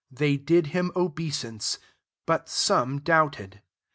L ys they did him obeisance : but some doubted.